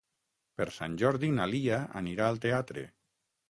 Per Sant Jordi na Lia anirà al teatre.